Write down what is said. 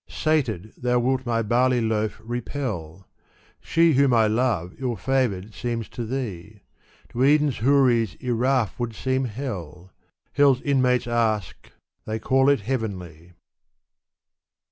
Satedy thou wilt my barley loaf repeL She whom I love ill Buvored seems to thee. To Eden's Houris Iraf would seem hell : Hell's inmates ask — they'll call it heavenly.